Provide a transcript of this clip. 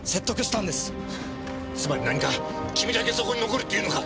つまり何か君だけそこに残るって言うのか！？